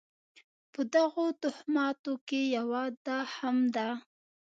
په دغو توهماتو کې یوه دا هم ده.